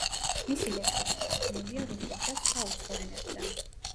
მისი ლექსები თარგმნილია რუსულ და სხვა უცხო ენებზე.